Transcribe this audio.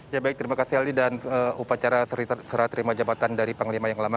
ya baik terima kasih aldi dan upacara serah terima jabatan dari panglima yang lama